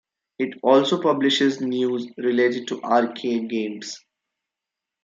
It also publishes news related to arcade games.